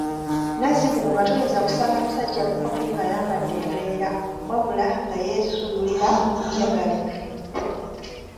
Nazzikuno nga toyinza kusanga musajja mukopi ng‘ayambadde enveera, wabula ng‘ayeesuulira bijagali.